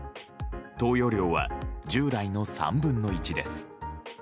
投与量は従来の３分の１です。